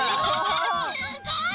すごい！